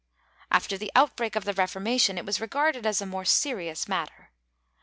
^ After the outbreak of the Reformation it was regarded as a more serious matter.